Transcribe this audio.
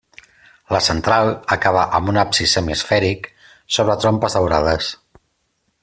La central acaba amb un absis semiesfèric sobre trompes daurades.